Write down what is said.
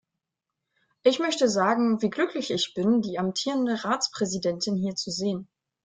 Ich möchte sagen, wie glücklich ich bin, die amtierende Ratspräsidentin hier zu sehen.